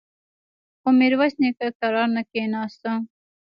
خو ميرويس نيکه کرار نه کېناسته.